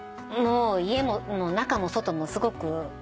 もう家の中も外もすごく。